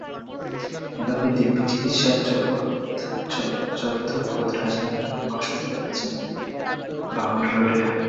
এভাবে দিব্যি চিকিত্সা চলত খোদ রাজধানীর পঙ্গু হাসপাতালের পাশে বাবর রোডে।